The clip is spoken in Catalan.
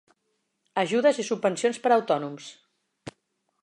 Ajudes i subvencions per a autònoms.